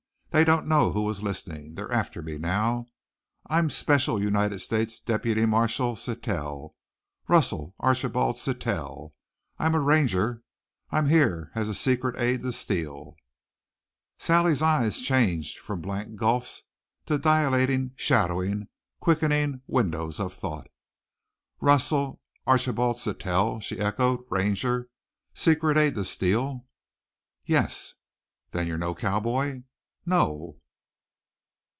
They don't know who was listening. They're after me now. I'm Special United States Deputy Marshal Sittell Russell Archibald Sittell. I'm a Ranger. I'm here as secret aid to Steele." Sally's eyes changed from blank gulfs to dilating, shadowing, quickening windows of thought. "Russ ell Archi bald Sittell," she echoed. "Ranger! Secret aid to Steele!" "Yes." "Then you're no cowboy?" "No."